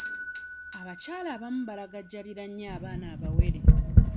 Abakyala abamu balagajjalira nnyo abaana abawere.